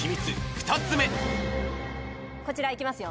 ２つ目こちらいきますよ